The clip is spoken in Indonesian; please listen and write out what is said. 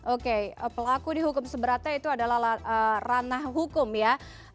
oke pelaku dihukum seberatnya itu adalah ranah hukum ya